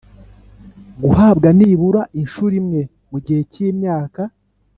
guhabwa nibura inshuro imwe mu gihe cy imyaka